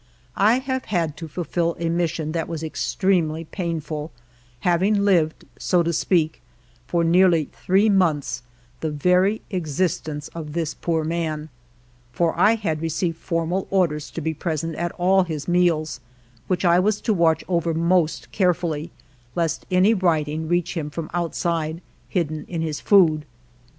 I have had to fulfil a mission that was extremely painful, having lived, so to speak, for nearly three months the very existence of this poor man, for I had received formal orders to be present at all his meals, which I was ALFRED DREYFUS 47 to watch over most carefully, lest any writing reach him from outside hidden in his food.